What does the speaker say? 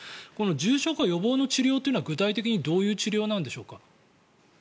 重症化予防の治療というのは具体的にどういう治療なんでしょうか。